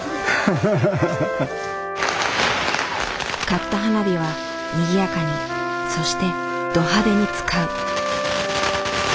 買った花火はにぎやかにそしてド派手に使う。